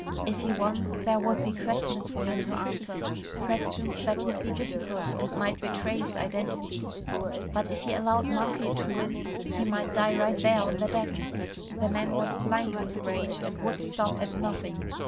If he won, there would be questions for him to answer. Questions that would be difficult and might betray his identity. But if he allowed Monkey to win, he might die right there on the deck. The man was blind with rage and would stop at nothing.